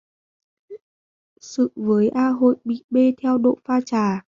Sự với A Hội đi bê theo độ pha trà